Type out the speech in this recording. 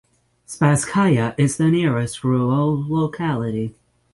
Spasskaya is the nearest rural locality.